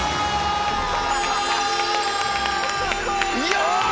よし！